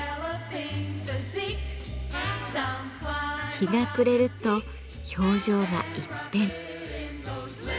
日が暮れると表情が一変。